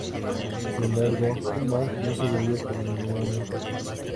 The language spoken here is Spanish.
Sin embargo, Kuma no se veía por ninguna parte.